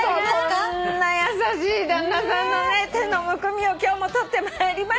こんな優しい旦那さんのね手のむくみを今日も取ってまいりましょう。